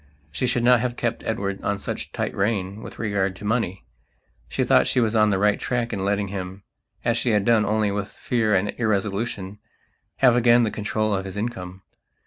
She should not have kept Edward on such a tight rein with regard to money. She thought she was on the right tack in letting himas she had done only with fear and irresolutionhave again the control of his income.